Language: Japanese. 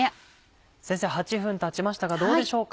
先生８分たちましたがどうでしょうか？